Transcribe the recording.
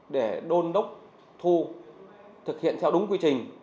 để đôn đốc thu thực hiện theo đúng quy trình